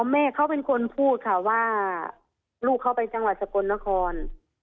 แม่เขาเป็นคนพูดค่ะว่าลูกเขาไปจังหวัดสกลนคร